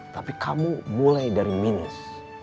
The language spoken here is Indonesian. tapi kamu mulai dari minus